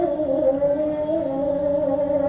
kepada yang maha kuasa